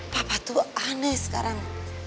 papa tu aneh sekarang